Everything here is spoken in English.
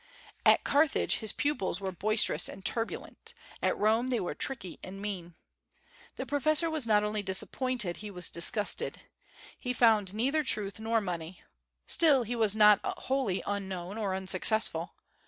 At Carthage his pupils were boisterous and turbulent; at Rome they were tricky and mean. The professor was not only disappointed, he was disgusted. He found neither truth nor money. Still, he was not wholly unknown or unsuccessful.